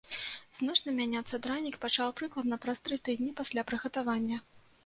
Значна мяняцца дранік пачаў прыкладна праз тры тыдні пасля прыгатавання.